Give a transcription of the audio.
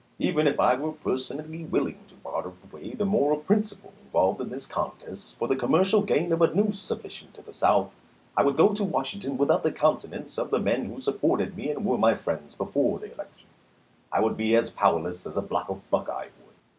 Even if I were personally willing to barter away the moral principle involved in this contest, for the commer cial gain of a new submission to the South, I would go to Washington without the countenance of the men who supported me and were my friends before the election ; I would be as powerless as a block of buckeye wood."